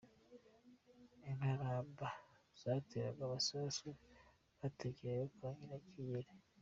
Imparamba : Zateraga amasuka baterekereye kwa Nyirakigeli.